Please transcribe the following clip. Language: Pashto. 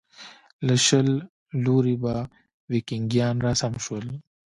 له شل لوري به ویکینګیان راسم شول.